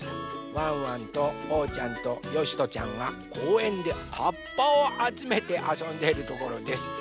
ワンワンとおうちゃんとよしとちゃんがこうえんではっぱをあつめてあそんでいるところです。